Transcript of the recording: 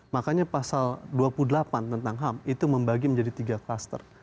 makanya pasal dua puluh delapan tentang ham itu membagi menjadi tiga kluster